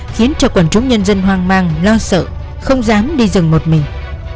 khiến cho quân chống nhân dân hoang mang lo sợ không dám đi rừng một mình